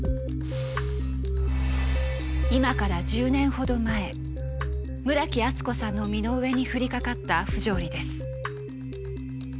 今から１０年ほど前村木厚子さんの身の上に降りかかった不条理です。